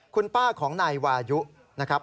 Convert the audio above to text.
คุณป้าของนายวายุนะครับ